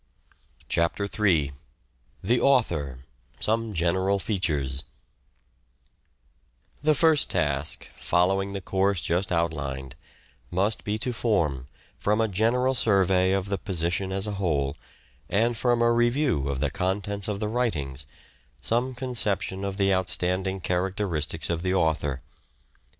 CHAPTER III THE AUTHOR — SOME GENERAL FEATURES THE first task — following the course just outlined — must be to form, from a general survey of the position as a whole, and from a review of the contents of the writings, some conception of the outstanding charac teristics of the author.